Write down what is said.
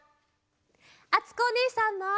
あつこおねえさんも。